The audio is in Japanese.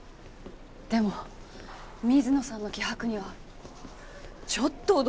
でも水野さんの気迫にはちょっと驚きました。